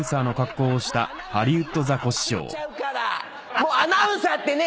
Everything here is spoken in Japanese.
もうアナウンサーってね